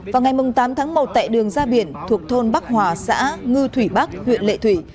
vào ngày tám tháng một tại đường gia biển thuộc thôn bắc hòa xã ngư thủy bắc huyện lệ thủy